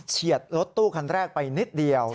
รถตู้คันแรกไปนิดเดียว